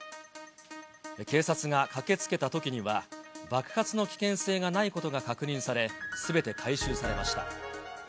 警察が駆けつけたときには、爆発の危険性がないことが確認され、すべて回収されました。